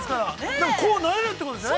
でもこうなれるということですね。